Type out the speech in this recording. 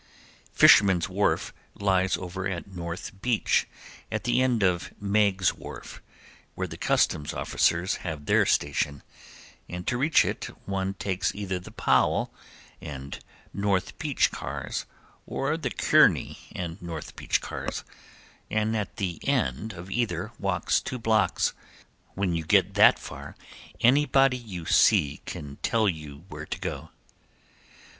Fishermen's Wharf lies over at North Beach, at the end of Meiggs's Wharf, where the Customs Officers have their station, and to reach it one takes either the Powell and North Beach cars, or the Kearny and North Beach cars, and at the end of either walks two blocks. When you get that far anybody you see can tell you where to go.